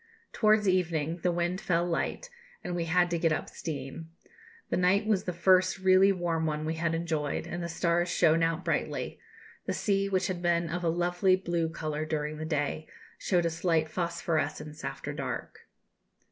Towards evening the wind fell light, and we had to get up steam. The night was the first really warm one we had enjoyed, and the stars shone out brightly; the sea, which had been of a lovely blue colour during the day, showed a slight phosphorescence after dark."